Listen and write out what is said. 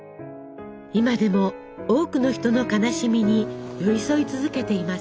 今でも多くの人の悲しみに寄り添い続けています。